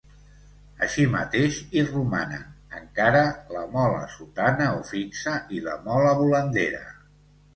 Així mateix hi romanen, encara, la mola sotana o fixa i la mola volandera.